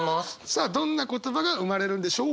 さあどんな言葉が生まれるんでしょう！